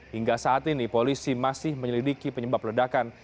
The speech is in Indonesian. hingga saat ini polisi masih menyelidiki penyebab ledakan